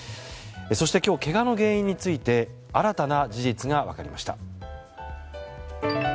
そして今日、けがの原因について新たな事実が分かりました。